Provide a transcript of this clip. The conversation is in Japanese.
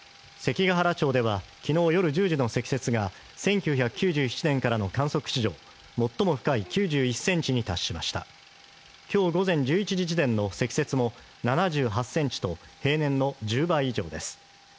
関ケ原町では昨日夜１０時の積雪が１９９７年からの観測史上最も深い９１センチに達しました今日午前１１時時点の積雪も７８センチと平年の１０倍以上です